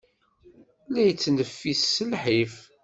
La yettneffis s lḥif.